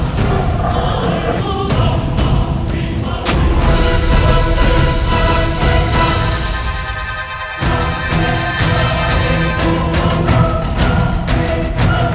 pasti sudah memaafkan